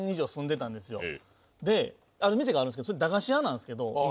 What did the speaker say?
ある店があるんですけどそれ駄菓子屋なんすけど。